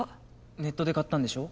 ネットで買ったんでしょ？